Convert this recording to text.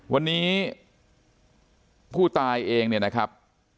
วันนี้ผู้ตายเองเนี่ยนะครับ